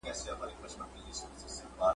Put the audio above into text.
ښکاري هم کرار کرار ورغی پلی ,